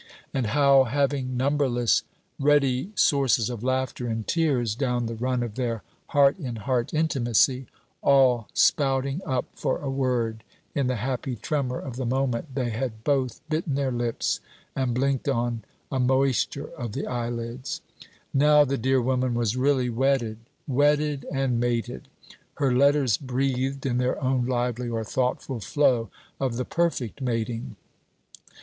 and how, having numberless ready sources of laughter and tears down the run of their heart in heart intimacy, all spouting up for a word in the happy tremour of the moment, they had both bitten their lips and blinked on a moisture of the eyelids. Now the dear woman was really wedded, wedded and mated. Her letters breathed, in their own lively or thoughtful flow, of the perfect mating.